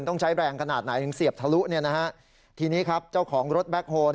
ต้องใช้แรงขนาดไหนถึงเสียบทะลุทีนี้ครับเจ้าของรถแบ็คโฮล